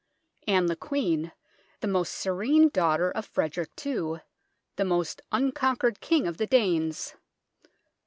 Ann the Queen, the most serene Daughter of Frederick II, the most unconquered King of the Danes.